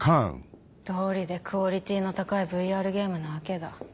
どうりでクオリティーの高いＶＲゲームなわけだ。